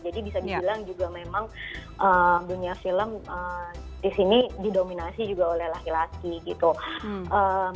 jadi bisa dibilang juga memang dunia film di sini didominasi juga oleh perempuan